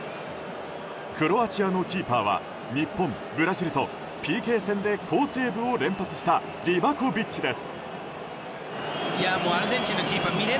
クロアチアのキーパーは日本、ブラジルとＰＫ戦で好セーブを連発したリバコビッチです。